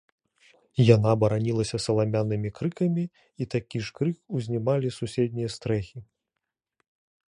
Яна баранілася саламяным крыкам, і такі ж крык узнімалі суседнія стрэхі.